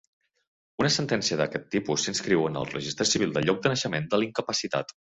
Una sentència d'aquest tipus s'inscriu en el registre civil del lloc de naixement de l'incapacitat.